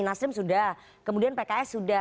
nasdem sudah kemudian pks sudah